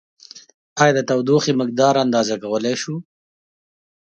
ایا د تودوخې مقدار اندازه کولای شو؟